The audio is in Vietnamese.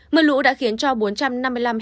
mưa lũ đã khiến cho bốn trăm năm mươi năm ha lúa